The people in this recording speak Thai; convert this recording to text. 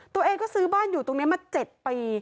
ตัวเองก็ซื้อบ้านอยู่ตรงนี้มา๗ปี